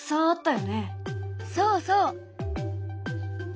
そうそう。